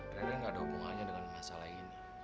ternyata gak ada hubungannya dengan masalah ini